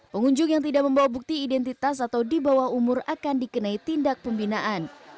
pengunjung yang tidak membawa bukti identitas atau di bawah umur akan dikenai tindak pembinaan